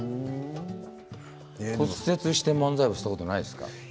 骨折して漫才したことないですか。